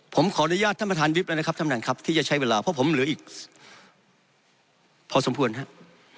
ผมขออนุญาตท่านประธานวิบแล้วนะครับท่านประธานครับที่จะใช้เวลาเพราะผมเหลืออีกพอสมควรครับ